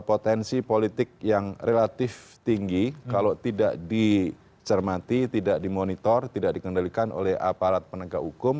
potensi politik yang relatif tinggi kalau tidak dicermati tidak dimonitor tidak dikendalikan oleh aparat penegak hukum